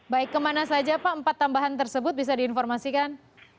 baik kemana saja pak empat tambahan tersebut bisa diinformasikan